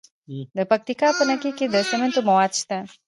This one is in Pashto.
د پکتیکا په نکې کې د سمنټو مواد شته.